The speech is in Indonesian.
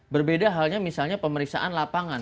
berbeda halnya misalnya pemeriksaan lapangan